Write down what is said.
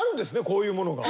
こういうものが。